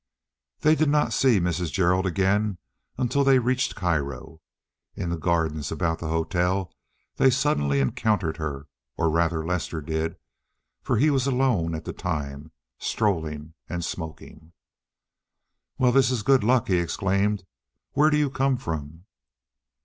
They did not see Mrs. Gerald again until they reached Cairo. In the gardens about the hotel they suddenly encountered her, or rather Lester did, for he was alone at the time, strolling and smoking. "Well, this is good luck," he exclaimed. "Where do you come from?"